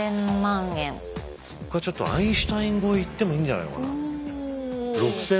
これちょっとアインシュタイン超えいってもいいんじゃないのかな。